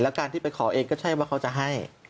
การที่ไปขอเองก็ใช่ว่าเขาจะให้